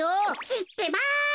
しってます。